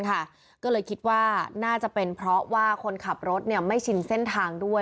ก็เลยคิดว่าน่าจะเป็นเพราะว่าคนขับรถไม่ชินเส้นทางด้วย